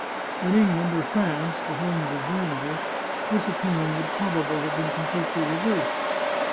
In England or France, the homes of vanity, this opinion would probably have been completely reversed.